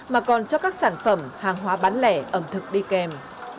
mà còn cho các sản phẩm hàng hóa bán lẻ ẩm thực đi kèm